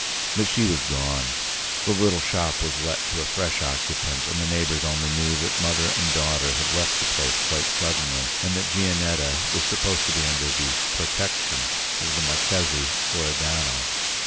But she was gone. The little shop was let to a fresh occupant; and the neighbours only knew that mother and daughter had left the place quite suddenly, and that Gianetta was supposed to be under the "protection" of the Marchese Loredano.